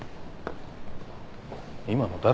今の誰？